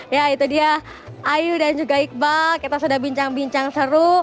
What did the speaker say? ya itu dia ayu dan juga iqbal kita sudah bincang bincang seru